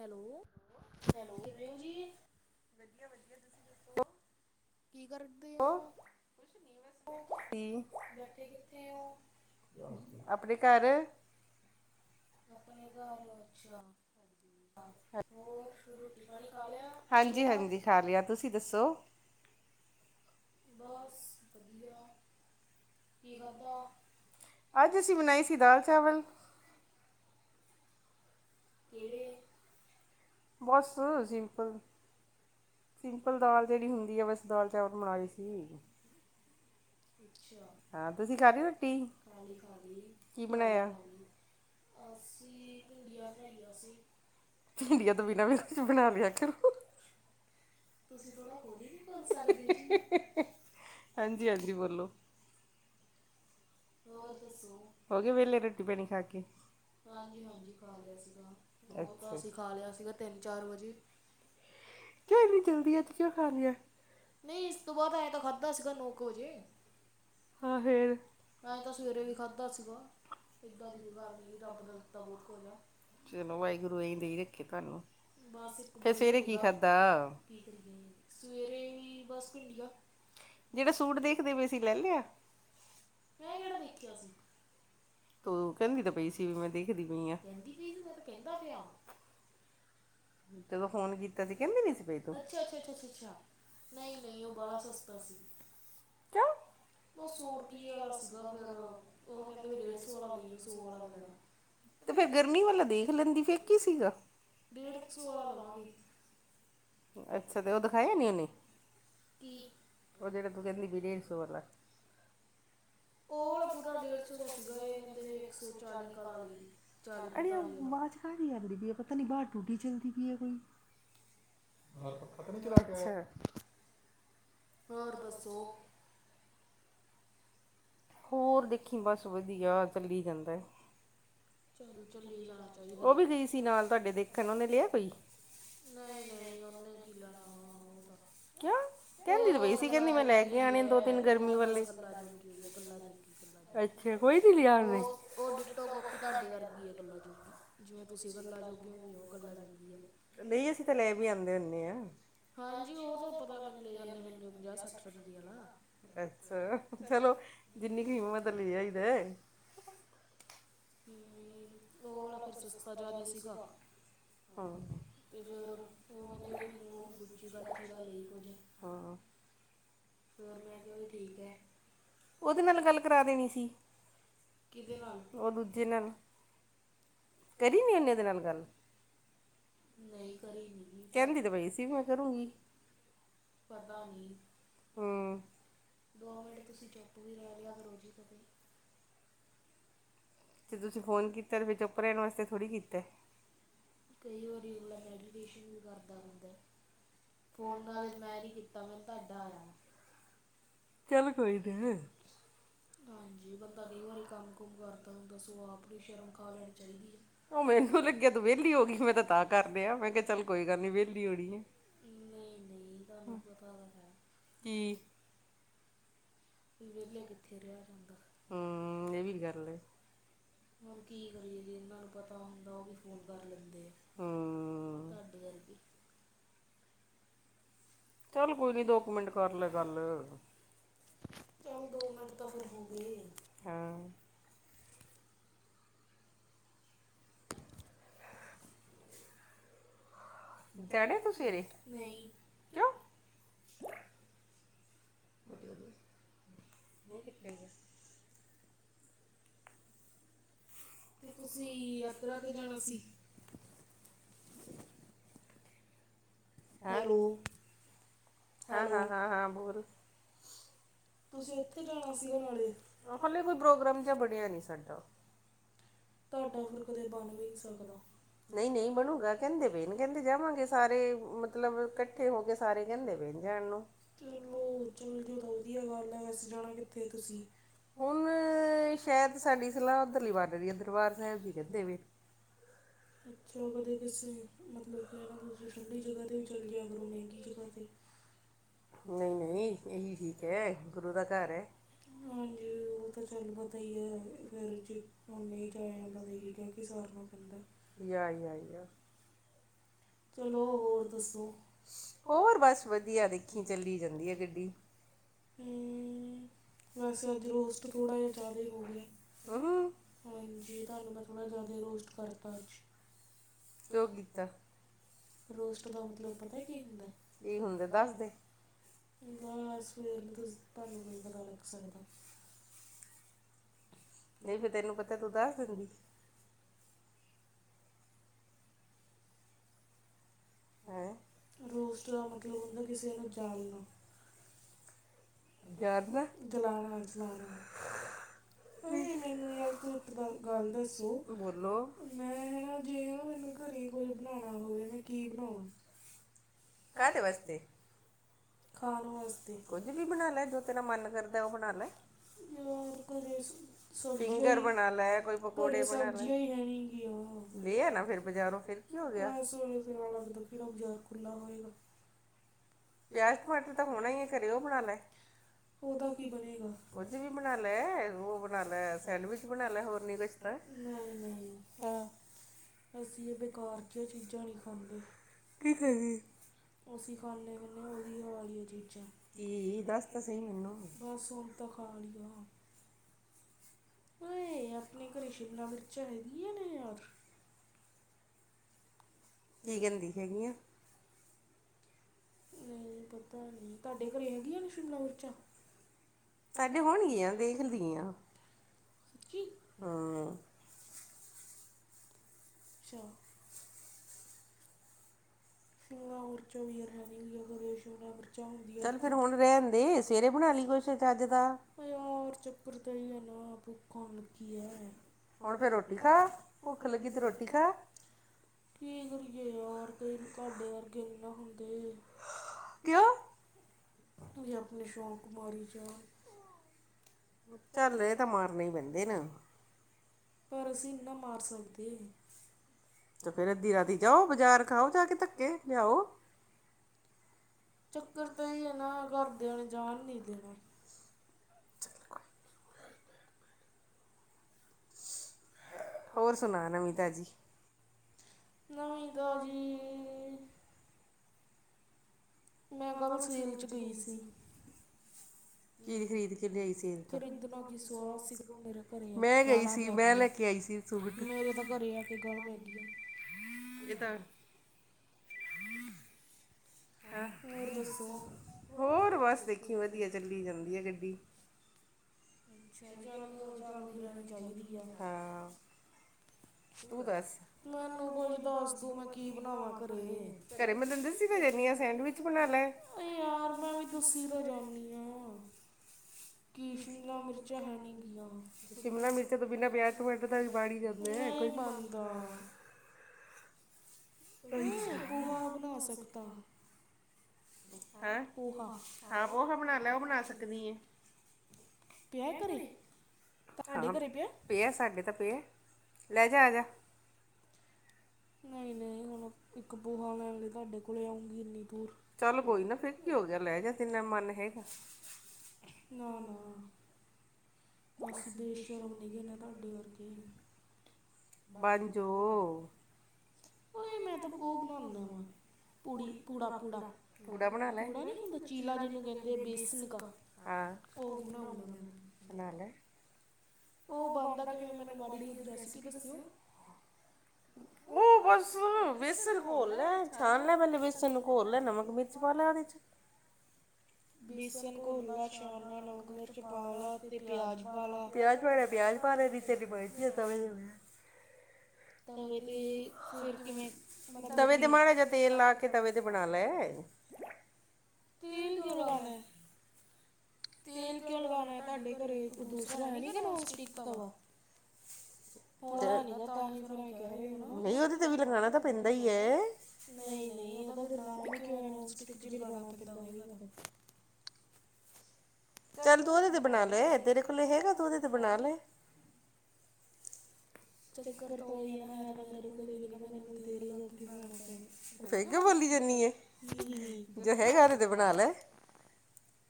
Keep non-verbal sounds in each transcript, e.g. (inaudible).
Hello, ਕਿਵੇਂ ਓ ਜੀ? ਕੀ ਕਰਦੇ ਓ? ਅਪਨੇ ਘਰ ਅਪਨੇ ਘਰ ਵੇਚ ਆਂ। ਹੋਰ, ਫੇਰ ਰੋਟੀ ਪਾਣੀ ਖਾ ਲੇਆ, ਪੀ ਲੇਆ? ਸੋ ਬਸ, ਵਧੀਆ। ਅੱਜ ਅਸੀ ਬਣਾਈ ਸੀ ਦਾਲ-ਚਾਵਲ। ਕੇੜੇ? ਬਸ ਸਿੰਪਲ, ਸਿੰਪਲ ਦਾਲ ਜੇੜੀ ਹੁੰਦੀ ਆ, ਬਸ। ਦਾਲ-ਚਾਵਲ ਬਣਾਏ ਸੀ। ਹਾਂ, ਤੁਸੀਂ ਖਾਲੀ ਰੋਟੀ, ਕੀ ਬਣਾਯਾ? ਅਸੀ ਭਿੰਡੀਆਂ ਬਣਾਈਆਂ ਸੀ। ਭਿੰਡੀਆਂ ਤੋਂ ਬਿਨਾਂ ਵੀ ਕੁਛ ਬਣਾ ਦੇਆ ਕਰੋ। ਤੁਸੀਂ ਥੋੜਾ ਹੋਲੀ ਨੀਂ ਬੋਲ ਸਕਦੇ ਜੀ। ਹੋਰ ਦੱਸੋ। ਹੋਗੇ ਵੇਹਲੇ ਰੋਟੀ-ਪਾਣੀ ਖਾ ਕੇ? ਹਾਂਜੀ-ਹਾਂਜੀ ਖਾ ਲਿਆ ਸੀਗਾ, ਓ ਤਾਂ ਅਸੀ ਖਾ ਲਿਆ ਸੀਗਾ ਤੇਂਨ-ਚਾਰ ਵੱਜੇ। ਕਿਉਂ ਏਨੀ ਜਲਦੀ, ਅੱਜ ਕਿਉਂ ਖਾ ਲੇਆ? ਨਈਂ, ਇਸ ਤੋਂ ਬਾਦ ਐਏਂ ਤਾਂ ਖਾਧਾ ਸੀਗਾ ਨੌ ਕੁ ਵੱਜੇ। ਐਂ ਤਾਂ ਸਵੇਰੇ ਵੀ ਖਾਧਾ ਸੀਗਾ, ਏਦਾਂ ਦੀ ਕੋਈ ਗੱਲ ਨਈਂ ਜੇ, ਰੱਬ ਦਾ ਦਿੱਤਾ ਬੋਤ ਕੁਝ ਆ। ਚਲੋ, ਵਾਹਿਗੁਰੂ ਏਈਂ ਦੇਈ ਰੱਖੇ ਤੁਆਨੂੰ। ਬਸ, ਇੱਕ ਬੁਲਟ ਨਿਗਾਾ, ਕੀ ਕਰੀਏ ਸਵੇਰੇ ਵੀ ਬਸ ਭਿੰਡੀਆਂ ਜੇੜਾ ਸੂਟ ਦੇਖਦੇ ਪਏ ਸੀ, ਲੈ ਲਿਆ। ਮੈਂ ਕੇੜਾ ਵੇਖਿਆ ਸੀ? ਤੂੰ ਕਹਿੰਦੀ ਤਾਂ ਪਈ ਸੀ ਵੀ ਮੈਂ ਦੇਖਦੀ ਪਈ ਆ। ਕਹਿੰਦੀ ਪਈ ਸੀ, ਮੈਂ ਤਾਂ ਕਹਿੰਦਾ ਪਿਆ ਵਾਂ। ਜਦੋਂ ਫੋਨ ਕੀਤਾ ਸੀ ਕਹਿੰਦੀ ਨੀ ਸੀ ਪਈ ਤੂੰ। ਨਈ- ਨਈ ਉਹ ਬੜਾ ਸਸਤਾ ਸੀ, ਕਿਉ? ਉਹ ਸੌ ਰੁਪਈਏ ਵਾਲਾ ਸੀਗਾ ਫੇਰ ਉਹ ਕਹਿੰਦੇ ਡੇਢ ਸੌ ਵਾਲਾ ਵੀ ਨੀ ਸੌ ਵਾਲਾ ਵੀ ਨੀ- ਤੇ ਫੇਰ ਗਰਮੀ ਵਾਲਾ ਦੇਖ ਲੈਂਦੀ ਫੇਰ ਕੀ ਸੀਗਾ? ਡੇਢ ਕੁ ਸੌ ਵਾਲਾ ਲਵਾਂਗੀ। ਅੱਛਾ ਤੇ ਉਹ ਦਿਖਾਇਆ ਈ ਨੀ ਉਹਨੇ, ਕੀ ਉਹ ਜਿਹੜਾ ਤੂੰ ਕਹਿੰਦੀ ਵੀ ਡੇਢ ਸੌ ਵਾਲਾ। ਓ ਪੂਰਾ ਡੇਡ ਸੋ ਦਾ ਸਿਗਾ ਇਹ ਕਹਿੰਦੇ ਇਕ ਸੋ ਚਾਲੀ ਲਗਾ ਲਈ, ਅਰੇ ਓ ਬਾਦ ਚ- ਸਾਰੀ ਅੱਗ ਦੀ ਪਈ ਐ, ਪਤਾ ਨੀ ਬਾਹਰ ਟੂਟੀ ਚੱਲਦੀ ਪਈ ਐ ਕੋਈ। ਹਾ ਪਤਾ ਨੀ ਚਲਾ ਕੇ ਆਯਾ, ਅੱਛਾ। ਹੋਰ ਦੱਸੋ? ਹੋਰ ਦੇਖੀ ਬਸ ਵਧੀਆ, ਚੱਲੀ ਜਾਂਦਾ ਏ। ਚੱਲ ਚੱਲੀ ਜਾਣਾ ਚਾਹੀਦਾ। ਨਈ- ਨਈ ਉਹਨੇ ਕੀ ਲੈਣਾ ਹੁਨ ਉਹ ਤਾਂ ਉਹ ਗੱਲਾਂ ਜੋਗੀ ਹੋਈ ਹੈ, ਉਹ ਤਾਂ ਬਸ ਗੱਲਾਂ ਜੋਗੀ ਹੋਈ ਹੈ, ਗੱਲਾਂ ਜੋਗੀ। ਗਲਾ ਜੋਗੀ ਉਹ- ਉਹ ਡਿਟੋ ਕਾਪੀ ਤੁਹਾਡੇ ਵਰਗੀ ਆ ਗਲਾ ਜੋਗੀ। ਨਹੀਂ ਅਸੀਂ ਤਾਂ ਲੈ ਵੀ ਆਉਂਦੇ ਹੁੰਦੇ ਆ। ਅੱਛਾ ਚਲੋ। ਜਿੰਨੀ ਕੁ ਹਿੰਮਤ ਐ ਲੈ ਆਈਦਾ। ਹੂੰ ਉਹ ਵਾਲਾ ਫੇਰ ਸਸਤਾ ਜ਼ਿਆਦਾ ਸੀਗਾ। ਤੇ ਫੇਰ ਉਹ ਕਹਿੰਦੇ ਵੀ ਤੂੰ ਗੁਚੀ- ਗਾਚੀ ਦਾ ਲਈ ਕੁਝ। ਹਾਂ, ਮੈਂ ਕਿਹਾ ਚਲ ਠੀਕ ਐ। ਉਹਦੇ ਨਾਲ ਗੱਲ ਕਰਾ ਦੇਣੀ ਸੀ। ਉਹ ਦੂਜੇ ਨਾਲ। ਕਰੀ ਨੀ ਇਨੇ ਉਹਦੇ ਨਾਲ ਗੱਲ, ਕਹਿੰਦੀ ਤੇ ਪਈ ਸੀ ਓ। ਕਰੂਗੀ। ਪਤਾ ਨਹੀਂ, ਹਾਂ ਦੋ ਮਿੰਟ ਤੁਸੀਂ ਚੁੱਪ ਵੀ ਰਹਿ ਲਿਆ ਕਰੋ ਜੀ ਕਦੇ। ਜੇ ਤੁਸੀਂ ਫੋਨ ਕੀਤਾ ਤਾਂ ਤੇ ਚੁੱਪ ਰਹਿਣ ਵਾਸਤੇ ਥੋੜੀ ਕੀਤਾ। ਕਈ ਵਾਰੀ ਅਗਲਾ ਮੈਡੀਟੇਸ਼ਨ ਵੀ ਕਰਦਾ ਹੁੰਦਾ। ਫੋਨ ਨਾਲੇ ਮੈਂ ਨੀ ਕੀਤਾ ਮੈਨੂੰ ਤੁਹਾਡਾ ਆਇਆ ਵਾ। ਚੱਲ ਕੋਈ ਦੇ। ਹਾਂਜੀ ਬੰਦਾ ਕਈ ਵਾਰੀ ਕੰਮ ਕੁਮ ਕਰਦਾ ਹੁੰਦਾ ਸੋ ਆਪ ਨੂੰ ਸ਼ਰਮ ਖਾ ਲੈਣੀ ਚਾਹੀਦੀ ਆ। ਉਹ ਮੈਨੂੰ ਲੱਗਿਆ ਤੂੰ ਵਿਹਲੀ ਹੋ ਗਈ ਮੈਂ ਤਾਂ ਤਾ ਕਰ ਲਿਆ, ਮੈਂ ਕਿਹਾ ਚੱਲ ਕੋਈ ਗੱਲ ਨੀ ਵਿਹਲੀ ਹੋਣੀ ਐ। ਕੀ ਤੁਹਾਨੂੰ ਪਤਾ ਤਾਂ ਹੈ। ਕੀ? ਕੀ ਵੇਹਲੇ ਕਿੱਥੇ ਰਿਹਾ ਜਾਂਦਾ। ਕੀ ਕਰ ਲਹੇ? ਹੁਣ ਕੀ ਕਰੀਏ ਜੇਹਨਾਂ ਨੂੰ ਪਤਾ ਹੁੰਦਾ ਉਹ ਵੀ ਫੋਨ ਕਰ ਲੈਂਦੇ ਆ। ਤੁਹਾਡੇ ਵਰਗੇ। ਚੱਲ ਕੋਈ ਨੀ ਦੋ ਕੁ ਮਿੰਟ ਕਰ ਲੈ ਗੱਲ। ਚੱਲ ਦੋ ਮਿੰਟ ਤਾਂ ਫੇਰ ਹੋ ਗਏ। ਹਾਂ। ਜਾਣੇ ਤੁਸੀਂ ਹਜੇ ਨਹੀਂ, ਕਿਉਂ? ਚੱਲ ਵਧੀਆ, ਇਹ ਕਿਥ ਚਲੇ ਗਏ? ਤੇ ਤੁਸੀਂ ਯਾਤਰਾ ਕੇ ਜਾਣਾ ਸੀ? ਹੈਲੋ। ਹਾਂ- ਹਾਂ-ਹਾਂ-ਹਾਂ ਬੋਲ। ਤੁਸੀਂ ਉਥੇ ਜਾਣਾ ਸੀਗਾ ਨਾਲੇ। ਤੁਹਾਡਾ ਫਿਰ ਕਦੇ ਬਣ ਵੀ ਨਹੀਂ ਸਕਦਾ। ਨਹੀਂ -ਨਹੀਂ ਬਣੂਗਾ, ਕਹਿੰਦੇ ਵੀਏ ਨੀ ਕਹਿੰਦੇ ਜਾਵਾਂਗੇ ਸਾਰੇ ਮਤਲਬ ਇਕੱਠੇ ਹੋ ਕੇ ਸਾਰੇ ਕਹਿੰਦੇ ਪਏ। ਚਲੋ ਚੱਲਦੀ ਰਹਿੰਦੀ ਗੱਲ, ਵੈਸੇ ਜਾਣਾ ਕਿੱਥੇ ਤੁਸੀਂ। ਹੁਣ ਸ਼ਾਇਦ ਸਾਡੀ ਸਲਾਹ ਇਧਰ ਵਧ ਰਹੀ ਦਰਬਾਰ ਸਾਹਿਬ ਜੀ ਕਹਿੰਦੇ ਵੀ। ਹ। ਅੱਛਾ, ਕਦੇ ਕਿਸੇ ਮਤਲਬ ਕ ਮਤਲਬ ਠੰਡੀ ਜਗ੍ਹਾ 'ਤੇ ਵੀ ਚੱਲ ਗਿਆ ਕਦੋਂ ਮਹਿੰਗੀ ਜਗ੍ਹਾ 'ਤੇ। ਨਹੀਂ-ਨਹੀਂ ਇਹੀ ਠੀਕ ਏ ਗੁਰੂ ਦਾ ਘਰ ਏ। ਹਾਂਜੀ, ਉਹ ਤਾਂ ਚੱਲ ਪਤਾ ਈ ਏ, ਫਿਰ ਜੇ ਤੇਰੇ ਤੋ ਨਹੀਂ ਜਾਇਆ ਜਾਂਦਾ ਤਾਂ ਕੈ ਕੀ ਹੀ ਹੈ ਸਾਰਨਾ। ਜਿੱਦਾਂ ਮਰਜ਼ੀ ਆਈ। ਚਲੋ ਹੋਰ ਦੱਸੋ? ਹੋਰ ਬਸ ਵਧੀਆ। ਵਧੀਆ, ਦੇਖੀ ਚੱਲੀ ਜਾਂਦੀ ਹੈ ਗੱਡੀ। ਵੈਸੇ ਅੱਜ ਰੋਸਟ ਥੋੜਾ ਜਿਹਾ ਜ਼ਿਆਦਾ ਹੋ ਗਿਆ, ਹੰ ਹਾਂ ਜੀ ਤੁਹਾਨੂੰ ਮਤਲਬ ਥੋੜਾ ਜਿਆਦਾ ਰੋਸਟ ਕਿਉਂ ਕੀਤਾ? ਰੋਸਟ ਦਾ ਮਤਲਬ ਪਤਾ ਕੀ ਹੁੰਦਾ? ਕੀ ਹੁੰਦਾ? ਦੱਸਦੇ ਜਾਂ ਸਰ ਵੀ ਰੱਖ ਸਕਦੇ। (unintelligible) ਨਹੀਂ ਫੇਰ ਤੈਨੂੰ ਪਤਾ ਤੂੰ ਦੱਸ ਦਿੰਦੀ। ਰੋਸਟ ਦਾ ਮਤਲਬ ਹੁੰਦਾ ਕਿਸੇ ਨੂੰ ਜਾਲਣਾ। ਜਲਾਣਾ- ਜਲਾਣਾ। ਓਏ ਮੈਂਨੂੰ ਯਾਰ ਤੂੰ ਇੱਕ ਗੱਲ਼ ਦੱਸੋਂ, ਮੈਂ ਹਨਾ ਜੇ ਹਨਾ ਮੈਨੂੰ। ਘਰੇਂ ਕੁੱਝ ਬਣਾਣਾ ਹੋਵੇਂ, ਮੈਂ ਕੀ ਬਣਾਵਾਂ? ਕਾਹਦੇ ਵਾਸਤੇ? ਖ਼ਾਣ ਵਾਸਤੇ, ਕੁਝ ਵੀ ਬਣਾਲਾ, ਜੋ ਤੇਰਾਂ ਮਨ ਕਰਦਾਂ ਉਹ ਬਣਾਲਾ। ਯਾਰ ਘਰੇਂ ਸਬਜ਼ੀਆਂ ਹੀ- ਘਰੇਂ ਸਬਜ਼ੀਆਂ ਹੀ ਹੈਣੀ ਗੀਆ। ਐਸ ਵੇਲ਼ੇ ਤੇਰਾਂ ਲੱਗਦਾ ਕਿਹੜਾ ਬਜ਼ਾਰ ਖੁੱਲਾ ਹੋਏਗਾ। ਪਿਆਜ਼ ਟਮਾਟਰ ਤਾਂ ਹੋਣਾਂ ਹੀ ਏ ਘਰੇਂ, ਉਹ ਬਣਾਂ ਲੈ। ਉਹਦਾ ਕੀ ਬਣੇਂ ਗਾ, ਕੁੱਝ ਵੀ ਬਣਾਂ ਲ਼ੈ ਉਹ ਬਣਾਂ ਲੈ ਸੈਂਡਵਿਚ ਬਣਾਂ ਲ਼ੈ ਹੋਰ ਨੀਂ ਕੁੱਛ ਤੇ। (unintelligible) ਅਸੀਂ ਇਹ ਬੇਕਾਰ ਜੀਆਂ ਚੀਜ਼ਾਂ ਨੀਂ ਖਾਂਦੇ। ਅਸੀਂ ਖਾਂਦੇ ਹੁਨੇ ਆਂ ਵਧੀਆ ਆਲੀ। ਚੀਜ਼ਾਂ, ਬਸ ਹੁਣ ਤਾਂ ਖਾਂ ਲੀਆਂ। ਓਏ ਆਪਣੇਂ ਘਰੇਂ ਸ਼ਿਮਲਾ ਮਿਰਚ ਹੈਗੀਆਂ ਨੇਂ ਯਾਰ। ਕੀ ਕੇਦੀ ਹੈਗੀਆ? ਪਤਾਂ ਨੀਂ, ਤੁਹਾਡੇ ਘਰੇਂ ਹੈਗੀਆਂ ਨੇਂ ਸ਼ਿਮਲਾ ਮਿਰਚਾਂ? ਸਾਡੇ ਹੋਣਗੀਆਂ ਆ, ਵੇਖ ਨੀ ਆ। ਅੱਛਾ। ਸ਼ਿਮਲਾ ਮਿਰਚਾਂ ਵੀ ਯਾਰ ਹੈਨੀ ਗੀਆ ਘਰੇਂ, ਸ਼ਿਮਲਾ ਮਿਰਚਾਂ ਹੁੰਦੀਆਂ, ਚੱਲ ਫਿਰ ਹੁਣ ਰਹਿਨਦੇ ਸਵੇਰੇ ਬਨਾਲੀ ਕੁਛ। ਯਾਰ ਚੱਕਰ ਤੇ ਐਹੀ ਹੈ ਨਾ, ਭੁੱਖ ਹੁਣ ਲੱਗੀ ਐਂ। ਹੁਣ ਫ਼ਿਰ ਰੋਟੀ ਖਾ, ਭੁੱਖ ਲੱਗੀ ਤੇ ਰੋਟੀ ਖਾ, ਕੀ ਕਰੀਏ ਯਾਰ। ਕਈ ਤੁਹਾਡੇ ਵਰਗੇ ਨੀਂ ਨਾ ਹੁੰਦੇ, ਕਿਉਂ। ਤੂੰ ਜਾ ਆਪਣੇਂ ਸ਼ੌਂਕ ਮਾਰੀ ਜਾ। ਚੱਲ ਇਹ ਤਾਂ ਮਾਰਨੇ ਹੀ ਪੈਂਦੇ ਆ, ਪਰ ਅਸੀਂ ਨਾ ਮਾਰ ਸਕਦੇ। ਤੇ ਫ਼ਿਰ ਅੱਧੀ ਰਾਤੀਂ ਜਾਓ ਬਜ਼ਾਰ ਖਾਓ, ਜਾ ਕੇ ਧੱਕੇ। ਲਿਆਓ (unintelligible) ਹੋਰ ਸੁਨਾ ਨਵੀਂ ਤਾਜ਼ੀ। ਨਵੀਂ ਤਾਜ਼ੀ। ਮੈਂ ਕੱਲ੍ਹ ਸੇਲ 'ਚ ਗਈਂ ਸੀਂ। ਖ਼ਰੀਦਨਾ ਕੀ ਸਵਾ ਸੀ, ਮੇਰੇ ਘਰੇਂ ਗਾਲ਼ਾਂ ਪੈ ਗੀਆਂ। ਮੇਰੇ ਤਾਂ ਘਰੇਂ ਆ ਕੇ ਗਲ ਪੈਂ ਗੀਆਂ। ਹੋਰ ਬਸ ਦੇਖੀਂ ਵਧੀਆਂ ਚੱਲੀ ਜਾਂਦੀ ਐ ਗੱਡੀ। ਹਾਂ। (inaudible) ਮੈਨੂੰ ਕੁੱਝ ਦੱਸ ਦੋ, ਮੈਂ ਕੀ ਬਨਾਵਾਂ ਘਰੇਂ। ਅਯੇ ਯਾਰ ਮੈਂ ਵੀ ਦੱਸੀਂ ਤਾਂ ਜਾਂਨੀ ਆ। ਸ਼ਿਮਲਾ ਮਿਰਚਾਂ ਤੋਂ ਬਿਨਾਂ ਪਿਆਜ਼ ਟਮਾਟਰ ਪਾ ਕੇ ਬਨ ਹੀ ਜਾਂਦੇ। ਬਂਦਾ। (unintelligible) ਹੈ, ਹਾਂ ਪੋਹਾ ਬਣਾਂ ਲੈ ਔ ਬਣਾਂ ਸਕਨੀ ਐਂ। ਪਿਆ ਘਰੇਂ। ਤਾਡੇ ਘਰੇ ਪਿਆ? (inaudible) ਚੱਲ ਕੋਈ ਨਾ ਫੇਰ ਕੀ ਹੋ ਗਿਆ, ਲੈ ਗਿਆ ਜਿੰਨਾ ਮਨ ਹੈਂ। (inaudible) ਨਾ-ਨਾ। ਅਸੀਂ ਬੇਸ਼ਰਮ ਨੀ ਗੇ, ਨਾ ਤਾਡੇ ਵਰਗੇ। ਬਨ ਜੋ, ਓਈ ਮੈਂ ਤਾਂ ਪੋ ਬਨਾਂਦਾ ਵਾਂ। ਪੂੜੀ, ਪੂੜਾ-ਪੂੜਾ, ਪੂੜਾ ਨੀਂ ਹੁੰਦਾਂ, ਚੀਲਾ ਜਿਨੂੰ ਕੇਂਦੇ ਬੇਸਨ ਕਾ। ਔ ਬਨਾਉਂਗਾ ਮੈਂ। ਓ ਬਨਦਾ ਕਿਵੇਂ, ਮੈਨੂੰ ਮਾੜੀ ਜੀ ਉਦੀ ਰੈਸਿਪੀ ਦੱਸਓ। ੳ ਬਸ ਵੇਸਨ ਘੋਲ ਲੈ, ਛਾਨ ਲੈ ਪੇਲੇ ਵੇਸਨ ਨੂੰ, ਘੋਲ ਲੈ ਨਮਕ-ਮਿਰਚ ਪਾ ਲੇ ਉਦੇ'ਚ। ਵੇਸਨ ਘੋਲ ਲਾ, ਛਾਨ ਲਾ, ਨਮਕ-ਮਿਰਚ ਪਾ ਲਾ ਤੇ ਪਿਆਜ ਪਾ ਲਾ। ਪਿਆਜ ਪਿਆਜ਼ ਪਾ ਲੈ ਵਿਚ (unintelligible) ਤਵੇ ਤੇ ਮਾੜਾ-ਜਾ ਤੇਲ ਲਾ ਕੇ, ਤਵੇ ਤੇ ਬਣਾ ਲੈ। ਤੇਲ ਕਿਵੇਂ ਲਾਣਾ? ਤੇਲ ਕਿਉਂ ਲਗਾਣਾ? ਤੁਹਾਡੇ ਘਰੇ ਦੂਸਰਾ ਹੈ ਨੀਗਾ ਨਾਨ-ਸਟਿਕ ਤਵਾ। ਨਈ, ਉਦੇ ਤੇ ਵੀ ਲਗਾਣਾ ਤਾਂ ਪੈਂਦਾ ਈ ਐ। ਨਹੀਂ-ਨਹੀਂ, ਉਦਾ ਫੇਰ ਨਾਮ ਈ ਕਿਓ ਐ ਨਾਨ-ਸਟੀਕ? ਜੇ ਲਗਾਣਾ ਪੈਂਦਾ ਹੋਏਗਾ ਤਾਂ। ਚੱਲ, ਤੂੰ ਉਦੇ ਤੇ ਬਨਾ ਲੈ, ਤੇਰੇ ਕੋਲ ਹੈਗਾ, ਤੂੰ ਉਦੇ ਤੇ ਬਣਾ ਲੈ। ਚੱਕਰ ਤਾਂ ਓਈ ਏ ਨਾ, ਹੈ ਤਾਂ ਮੇਰੇ ਕੋਲ ਵੀ ਨੀਗਾ, ਮੈਨੂੰ ਵੀ ਤੇਲ ਲਗਾ ਕੇ ਬਣਾਨਾ ਪੈਣਾ, ਫੇਰ ਕਿਓ ਬੋਲੀ ਜਾਨੀ ਏ। ਹਮ, ਜੇ ਹੈਗਾ ਤੇ ਬਣਾ ਲੈ।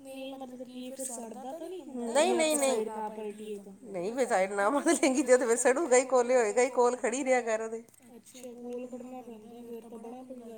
ਨਹੀਂ, ਮਤਲਬ ਕੀ ਫੇਰ ਸੜਦਾ ਤਾਂ ਨੀ ਹੁੰਦਾ, ਜੇ ਆਪਾਂ ਸਾਈਡ ਨਾ ਪਲਟੀਏ ਤਾਂ। ਨਹੀਂ, ਫੇਰ ਸਾਈਡ ਨਾ ਪਲਟੇਂਗੀ ਤੇ ਫੇਰ ਸਡੁਗਾ ਈ ਕੋਲ ਖੜੀ ਰਿਆ ਕਰ ਓਦੇ, ਅੱਛਾ, ਕੋਲ ਖੜਨਾ ਪੈਂਦਾ, ਫੇਰ ਤਾਂ ਬੜਾ ਪੰਗਾ ਏ।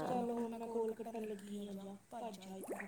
ਚੱਲ, ਹੁਣ ਮੈਂ ਕੋਲ ਕੱਟਨ ਲੱਗੀ ਆ, ਜਾ ਭੱਜਾ ਇੱਥੋਂ।